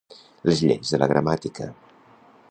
Les lleis de la gramàtica.